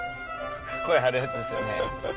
声張るやつですよね。